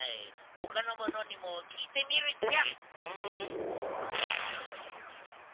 ほかのものにもきいてみるっちゃ。